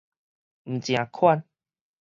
毋成款